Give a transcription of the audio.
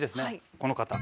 この方。